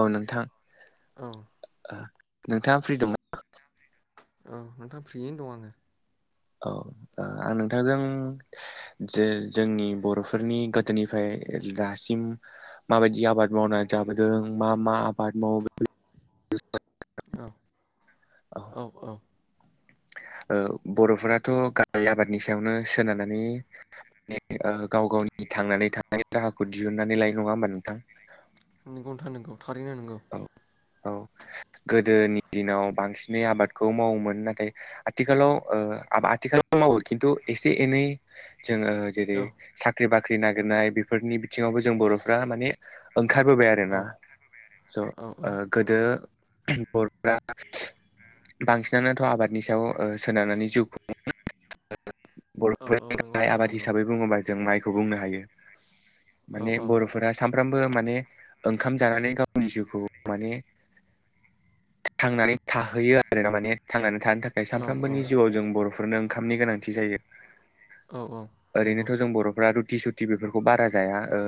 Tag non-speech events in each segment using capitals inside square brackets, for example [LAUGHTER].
औ नोंथां। औ नोंथाङा फ्रि दंना औ नोंथां फ्रियैनो दं आंङो औ ओ आं नोंथांजों जे जोंनि बर'फोरनि गोदोनिफ्राय दासिम माबायदि आबाद मावनानै जाबोदों मा मा आबाद मावो बे औ औ औ ओ बर'फोराथ' गाहाय आबादनि सायावनो सोनारनानै माने गाव गावनि थांनानै थानाय राहाखौ दिहुननानै लाय नङा होमबा नोंथां। नोंगौ नोंथां नोंगौ थारैनो नोंगौ औ औ गोदोनि दिनाव बांसिनै आबादखौ मावोमोन नाथाय आथिखालाव आ आथिखालाव मावो खिन्थु एसे एनै जोंङो जेरै औ साख्रि बा ख्रि नागिरनाय बेफोरनि बिथिंङावबो जों बर'फ्रा माने ओंखारबोबाय औ आरोना स औ गोदो बर'फ्रा बांसिनानोथ' आबादनि सायाव सोनारनानै जिउ खुंङो औ औ नंगौ बर'फोरनियालाय नोंथां आबाद नंगौ हिसाबै बुंङोबा जों माय खौ बुंनो हायो। औ माने औ बर'फोरा साम सामफ्रामबो माने ओंखाम जानानै गांव गावनि जिउखौ माने थांनानै थाहैयो आरो ना माने थांनानै थानो थाखाय औ औ सानफ्रामबोनि जिउआव जों बर'फोरनो ओंखामनि गोनांथि जायो। औ औ नंगौ ओरैनोथ' जों बर'फोरा रु ति सुत बेफोरखौ बारा जाया ओ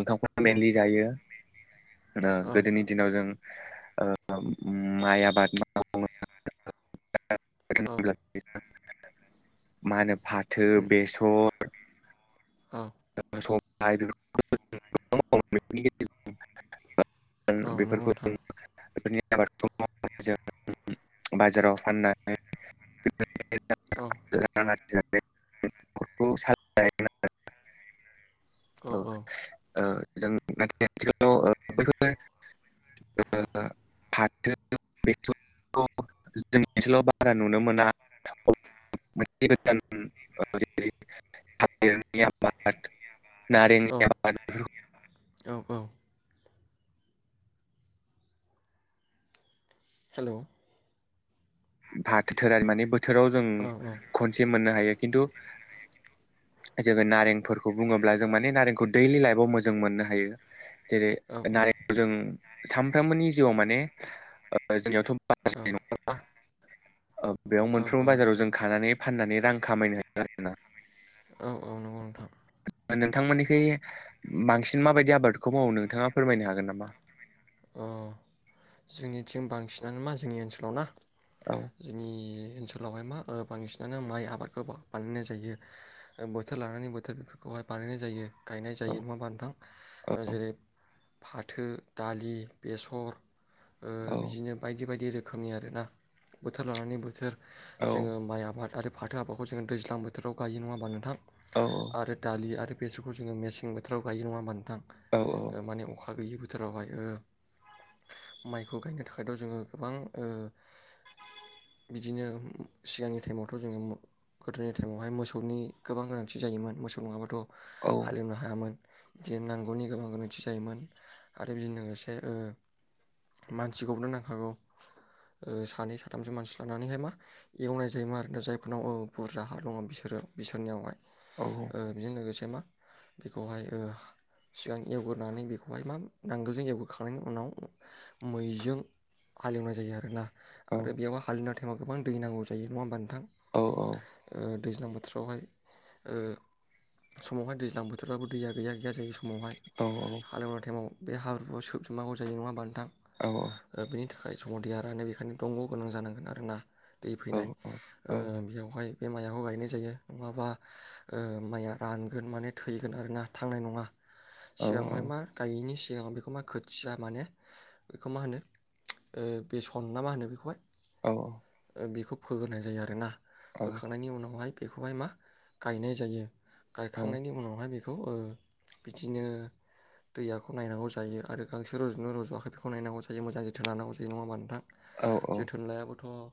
ओंखामखौनो औ मेनलि जायो। औ गोदोनि दिनाव जों ओ मय आबाद मावो औ आरो [UNINTELLIGIBLE] मा होनो फाथो बेसर [INAUDIBLE] [UNINTELLIGIBLE] [UNINTELLIGIBLE] औ नंगौ बेफोरखौ नोंथां जों बेफोरनि आबादखौ मावनानै जों बाजाराव फाननानै औ [UNINTELLIGIBLE] न'खखौ साजोन औ औ जों नाथाय आथिखालाव बेफोर फाथो बे जोंनि ओनसोलाव बारा नुनो मोना मोनसे गोजान जेरैिर [UNINTELLIGIBLE] नारें औ नि आबादखौ औ औ हेलव फाथोरारि माने बोथोराव जों औ खनसे मोननो हायो खिन्थु जोङो नारेंफोरखौ बुङोब्ला जों माने नारेंखौ दैलि लाइफाव मोजां मोननो हायो जेरै औ नारेंखौ जों सानफ्रोमबोनि जिउआव माने ओ जोंनियाव [UNINTELLIGIBLE] ओ बेयाव औ मोनफ्रोमबो बाजाराव औ जों खानानै फाननानै रां खामायनो हायो आरोना औ औ नंगौ नोंथां नोंथांमोननि खि लबांसिन माबायदि आबादखौ बेखौ मावनो नोंथाङा फोरमायनो हागोन नामा अ जोंनिथिं बांसिनानो मा जोंनि ओनसोलाव ना औ जोंनि ओनसोलावहाय मा ओ बांसिनानो माइ आबादखौ बानायनाय जायो बोथोर लानानै बोथोर बेफोरखौहाय बानायनाय जायो गायनाय औ जायो नङा बा नोंथां ओ‌ जेरै फाथो दालि बेसर ओ बिदिनो बायदि बायदि रोखोम रोखोमनि आरोना बोथोर लानानै बोथोर औ जोङो माइ आबाद आरो फाथो आफाखौ जोङो दैज्लां बोथोराव गायो नङा होमबा नोंथां आरो दालि आरो बेसोरखौ जो मसें बोथोराव गायो नङा ओमबा नोंथां औ नोंथां माने अखा हा गैयि बोथोरावहाय ओ माइखौ गायनो थाखायथ जोङो गोबां ओ बिदिनो सिगांनि टाइमावथ जोङो गोदोनि टाइमावहाय मोसौनि गोबां गोनांथि जायोमोन मोसौ नङाबाथ हालेवनो हायामोन दि नांगौनि गोबां गोनांथि जायोमोन आरो बिदिनो लोगोसे ए ओ‌ ओमफ्राय मानसिखौनो नांखागौ ओ‌ सानै साथामसो मानसि लानानैहाय मा एवनाय जायोमा आरोना जायफोरनाव ओ बुरजा हा दङ बिसोरो बिसोरनियावहाय ओ बिजों लोगोसे मा बेखौहाय ओ‌ सिगां एवगोरोनानै बेखौहाय मा नांगोलजों एवग्रो खांनायनि उनाव मैजों हालेवनाय जायो आरोना। आरो बेयाव हा [UNINTELLIGIBLE] माव गोबां दै नांगौ जायो नङा होनोमबा थां ओ दैज्लां बोथोरावहाय ओ समावहाय दैज्लां बोथोरबाबो दैया गैया गैया जायो। समावहाय हालएवनाय टाइमाव बे हाब्रुआ सो सोमनांगौ जायो नङा होनबा नोंथां? औ औ। ओ बेनि थाखाय समाव दैया रानो बेखायनो दंग गोनां जानांगोन आरो ना। दै फैनाय ओ बेयावहाय बे माइयाव गायनाय जायो नङाबा ओ माइआ रानगोन माने थैगोन आर ना थांनाय नङा। सिगाङावहाय मा गायैनि सिगां बेखौ मा खो थिया माने बेखौ मा होनो ओ बेसन ना मा होनो बेखौहाय? औ औ। बेखौ फोग्रोनाय जायो आरो ना। फोखांनायनि उनावहाय बेखौहाय मा गायनाय जायो। गायखांनायनि उनावहाय बे बेखौ ओ बिदिनो दैयाखौ नायनांगौ जायो आरो गांसो रजदोंना रजआखै बेखौ नायांगौ जायो मोजां जोथोन लांगौ जायो नङा होनबा नोंथां? जोथोन लायाबाथ ओ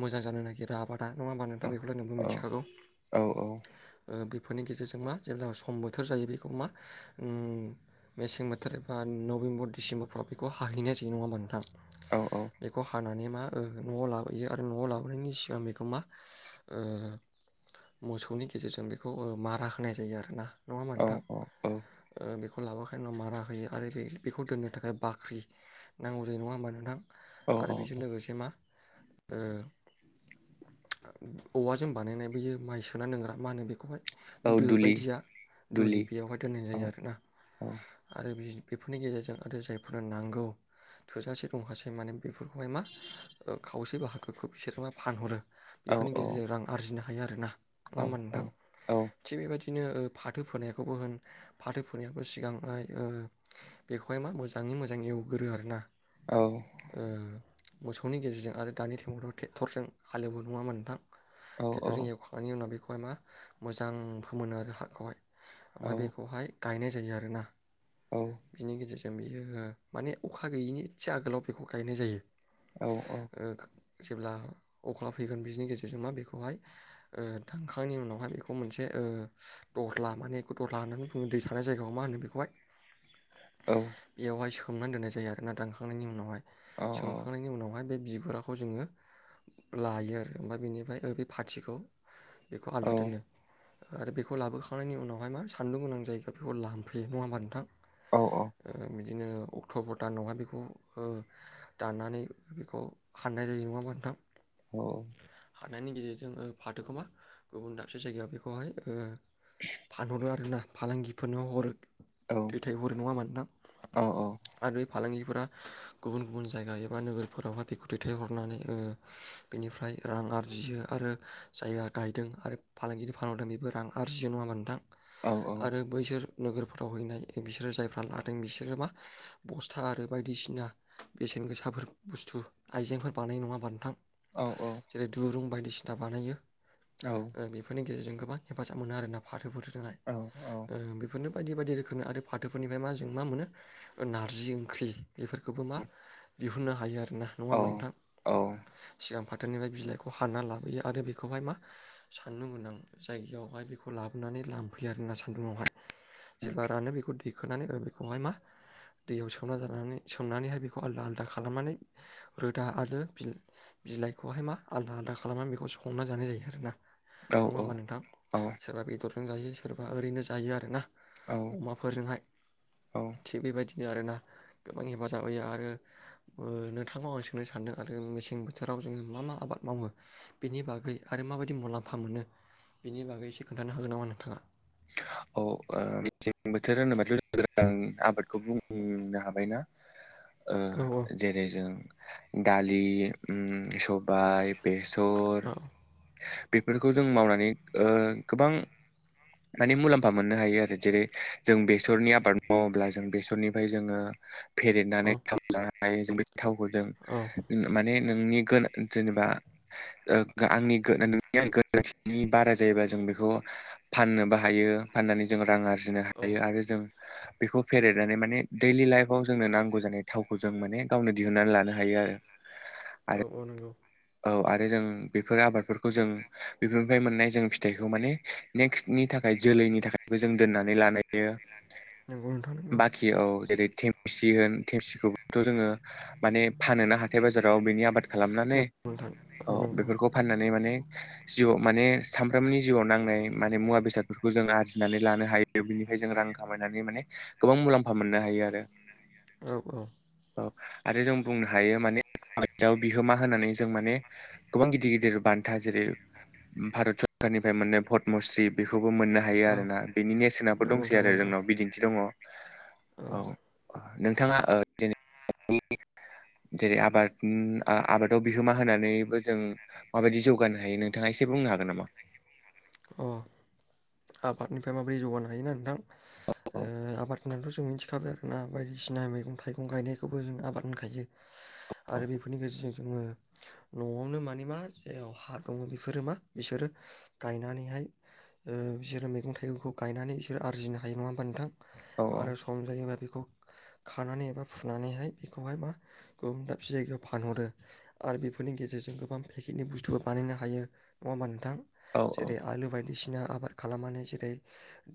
मोजां जानो नागिरा आबादा नङा होनबा नों थां बेखौलाय नोंबो मिथिखागौ औ ओ बेफोरनि गेजेरजों मा जेब्ला सम बोथोर जायो बेखौ मा उम्म मेसें बोथ थोर एबा नबेम्बर दिसेम्बरफ्राव बेखौ हाहैनाय जायो नङा होमबा नोंथां? बेखौ हानानै मा ओ न'आव लाबोयो आरो न'आव लाबोनायनि सिगां बेखौ मा ओ मोसौनि गेजेरजों बेखौ ओ मारा होनाय जायो आरो ना। नङा होनबा नोंथां ओ बेख लाबोखाय उनाव मारा बायो आरो बे बेखौ दोननो थाखाय बाख्रि नांगौ जायो नङा होमबा नोंथां? आरो बेजों लोगोसे मा ओ औवाजों बानायनाय बोयो माइ सोना दोंग्रा मा होनो बे खौहाय औ दो दुलि बायदिया दुलि बेयावहाय दोननाय औ जायो आरोना। औ आरो बेफोरनि गेजेरजों आरो जायफोरनो नांगौ थोजासे दंखायसै माने बेफोरखौहाय मा ओ खावसे बाहागोखौ बिसोर मा फानहरो। औ बेफोरनि औ गेजेरजों रां आरजिनो हायो आरोना। औ नङा ओमबा औ नोंथां? औ थिग बेबायदि नो ओ फाथो फोनायखोबोहोन फाथो फोनायबो सिगांआय ओ बेखौहाय मा मोजाङै मोजां एवग्रो आरोना। औ ओह मोसौनि गेजेरजों आरो दानि थेङ थेक्टरजों हालेवो नङा होमबा नोंथां? औ थेक्टरजों एवखांनायनि उनाव बेखौ ओमफाय मा मोजां फोमोनो आरो हाखौहाय। ओमाय बेखौहाय गायनाय जायो आरोना। बिनि गेजेर जों बियो ओ माने अखा गैयिनि एदसे आगोलाव बेखौ गायनाय जायो। औ औ ओ जेब्ला अख्ला फैगोन बिजिनि गेजेरजों मा बेखौहाय ओ थांखांनि उनावहाय बेखौ मोनसे ओ दलहा माने बेखौ दह्ला होननानै बुङो दै थानाय जायगाखौ मा होनो बेखौहाय? बेयावहाय हमनानै दोननाय जायो आरोना दानखांनायनि उनावहाय। सोंखांनायनि उनावहाय बेब बिगुराखौ जोङो लायो आरो ओमफ्राय बेनिफ्राय ओ बे फाथिखौ बेखौ आलदा दोनो। आरो बेखौ लाबोखांनायनि उनावहाय मा सानदुं गोनां जायगा फोराव लामफैयो नङा होनबा नों थां? औ औ। दिनो अक्टबर दानावहाय बेखौ ओ दाननानै बेखौ हाननायजायो नङाहोमबा नोंथां? औ। हनायनि गेजेरजों ओ फाथोखो मा गुबुन दाबसे जायगायाव बेखौहाय ओ फानहरो आरोना फालांगिफोरनो हरो। दैथायहरो नङा होमबा नोंथां? आरो फालांगिफोरा गुबुन गुबुन जायगा एबा नोगोरफोरावहा बेखौ दैथायहरनानै ओ बेनिफ्राय रां आरजियो आरो जाया गायदों आरो फालांगि फानहरदों बेबो रां आरजियो नङाहोमबा नोंथां? आरो बैसोर नोगोर फ्राव हैनाय बिसोरो जायफ्रा लादों बिसोरो मा बस्था आरो बायदिसिना बेसेन गोसाफोर बुस्थु आइजेंफोर बानायो नङाहोमबा नोंथां? औ औ। जेरै दुरुं बायदिसिना बानायो। औ ओह बेफोरनि गेजेरजों गोबां हेफाजाब मोनो आरो ना फाथोफोर जोंहाय औ ओ बेफोरनो बायदि बायदि रोखोमनि आरो फाथोफोरनिफ्राय मा जों मा मोनो नारजि ओंख्रि बेफोरखौबो मा दिहुननो हायो आरो। आरो ना नङा औ होमबा नोंथां औ सिगां फाथ फाथोनिफ्राय बिलाइखौ हानना लाबोयो आरो बेखौहाय मा सान्दुं गोनां जायगायावहाय बेखौ लाबोनानै लांफैयो आरोना सान्दुंङावहाय। जेब्ला रानो बेखौ दैख खोनानै हो बेखौहाय मा दैयाव सोमना जानानै सोमनानैहाय बेखौ आलादा आलादा खालामनानै रोदा आरो बि बिलाइखौहाय मा आलादा आलादा खालामनानै बेखौ संना जानाय जायो आरोना। औ नङा होमबा नोंथां औ सोरबा बेदर जों जायो सोरबा ओरैनो जायो आरो ना। औ अमाफोरजोंहाय औ थिग बेबायदि बिनो आरोना गोबां हेफाजाब होयो आरो नोंथांनाव आं सोंनो सानदों आरो मेसें बोथोराव जोङो मा मा आबाद मावो बेनि बागै आरो माबायदि मुलाम्फा मोनो बेनि बागै एसे खोन्थानो होगोन नामा नोंथाङा? औ ओ मेसें बोथोर होनोबाथ'जां आबादखौ बुंनो हाबायना। ओ औ जेरै जों दालि उम सबाय बेसर औ बेफोरखौ जों मावनानै ओ गोबां माने मुलाम्फा मोननो हायो आरो जेरै जों बेसरनि आबाद मावोब्ला जों बेसरनिफ्राय जोङो औ फेरेदनानै थाव जानो हायो जों बे थावखौ जों माने नोंनि गोनां जेनेबा आंनि नोंनि गोरोनि बारा जायोबा जों बेखौ फाननो बा हायो फाननानै जों रां आरजिनो जिनो औ हायो आरो जों बेखौ फेरेदनानै माने दैलि लाइफआव जोंनो नांगौ जानाय थावखौ जों माने गावनो दिहुनन्नानै लानो हायो आरो। आरो औ औ नंगौ। औ आरो जों बेफोर आबादफोरखौ जों बेफोरनिफ्राय मोननाय जों फिथाइखौ माने नेक्स्टनि थाखाय जोलैनि थाखायबो जों दोननानै लानायो नंगौ नोंथां नंगौ बाखि औ जेरै थेमसि होन थेमसिखौबोथ' जोङो माने फानोना हाथाय बाजाराव बिनि आबाद नंगौ खालामनानै नोंथां औ नंगौ बेफोरखौ फाननानै माने जिउआव माने सामफ्रोमनि जिउआव नांनाय माने मुवा बेसादफोरखौ जों आरजिनानै लानो हायो बिनिफ्राय जों रां खामायनानै माने गोबां मुलाम्फा मोननो हायो आरो। औ औ। आरो जों बुंनो हायो माने [INAUDIBLE] बिहोमा होनानै जों माने गोबां गिदिर गिदिर बान्था जेरै भारत सरखारनिफ्राय मोननाय पद्मश्री बेखौ बो मोननो हायो औ आरोना बेनि नेरसोनाबो नंगौ दंसै नोंथां आरो नंगौ जोंनाव बिदिन्थि दङ औ नोंथाङा [UNINTELLIGIBLE] आबाद आबादाव बिहोमा होनानैबो जों माबायदि जौगानो हायो नोंथाङा एसे बुंनो हागोन नामा? अ आबादनिफ्राय माबोरै जौगानो हायोना नोंथां? औ ओ आबाद [UNINTELLIGIBLE] मिथिखाबाय आरो ना बायदिसिना मैगं थाइगं गायनायखौबो जों आबाद [UNINTELLIGIBLE] औ आरो बेफोरनि खायसे जोङो न'आवनो मानि मा जेराव हा दङ बेफोरो मा बिसोरो गायनानैहाय ओ बिसोरो मैगं थाइगंखौ गायनानै बिसोर आरजिनो हायो नङा होमबा नोंथां? औ औ आरो संजायोना बेखौ खानानै एबा फुनानैहाय बेखौहाय मा गुबुन दाबसे जायगायाव फानहरो आरो बेफोरनि गेजेरजों गोबां पेकेटनि बुस्थुबो बानायनो हायो नङा होमबा नोंथां? औ जेरै आलु बायदिसिना आबाद खालामनानै जेरै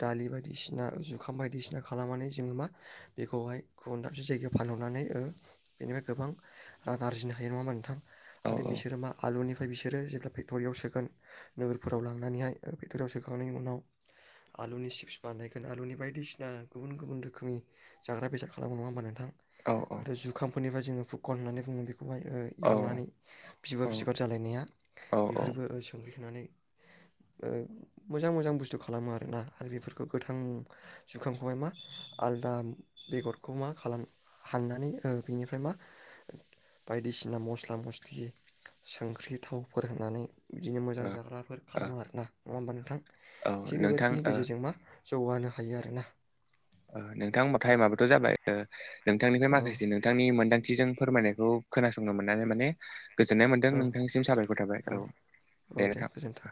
दालि बायदिसिना जुखाम बायदिसिना खालामनानै जोङो मा बेखौहाय गुबुन दाबसे जायगायाव फानहरनानै ओ बेनिफ्राय गोबां रां आरजिनो हायो नङा होमबा नोंथां? औ आरो बिसोर मा आलुनि ओमफ्राय बिसोरो जेब्ला फेक्टरियाव सोगोन नोगोर फोराव लांनानैहाय बिथथोराव सोखांनायनि उनाव आलुनि चिप्स बानायगोन आलुनि बायदिसिना गुबुन गुबुन रोखोमनि जाग्रा बेसाद खालामो नङा होमबा नोंथां? औ आरो जुखामफोरनिफ्राय जोङो [UNINTELLIGIBLE] होननानै बुङो बे खौहाय ओ औ एवनानै औ [UNINTELLIGIBLE] औ ओ बेफोरखौ [UNINTELLIGIBLE] नुनानै ओ मोजां मोजां बुस्थु खालामो आरोना आरो बेफोरखौ गोथां जुखामखौहाय मा आलदा बेगरखौ मा खालाम हांनानै ओ बेनिफ्राय मा बायदिसिना मस्ला मस्लि संख्रि थावफोर होनानै बिदिनो मोजां ओ जाग्राफोर खालामो आरोना नङा होमबा नोंथां? औ थिग नोंथां बेबायदिनि ओ गेजेरजों मा जौगानो हायो आरोना नोंथां होनबाथ' तायेमाबोथ' जाबाय नोंथांनिफ्राय औ माखासे नोंथांनि मोन्दांथिजों फोरमायनायखौ खोनासंनो मोननानै माने गोजोननाय मोन्दों औ नोंथांसिम साबायखर थाबाय औ दे औ नोंथां। गोजोन्थों।